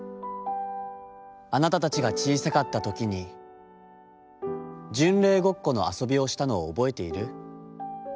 『あなたたちが小さかった時に、『巡礼ごっこ』の遊びをしたのを覚えている？